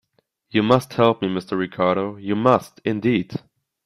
You must help me, Mr. Ricardo — you must, indeed!